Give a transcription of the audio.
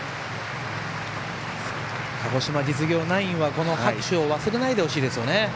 鹿児島実業ナインはこの拍手を忘れないでほしいです。